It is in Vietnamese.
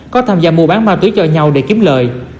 có tham gia mua bán ma túy cho nhau để kiếm lời